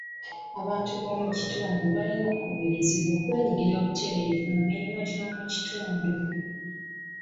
Abantu b'omu kitundu balina okukubirizibwa okwenyigira buteerevu mu mirimu gy'omu kitundu.